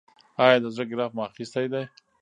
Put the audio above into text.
ایا د زړه ګراف مو اخیستی دی؟